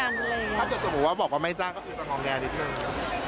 ถ้าเกิดสมมุติว่าบอกว่าไม่จ้างก็คือจะทองแอร์นิดนึง